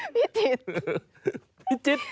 พิจิต